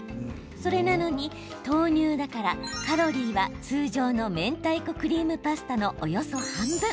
それなのに豆乳だからカロリーは通常のめんたいこクリームパスタの約半分。